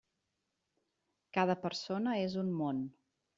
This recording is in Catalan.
Cada persona és un món.